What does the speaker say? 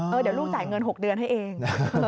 เดี๋ยวลูกจ่ายเงิน๖เดือนให้เอง